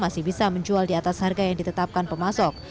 masih bisa menjual di atas harga yang ditetapkan pemasok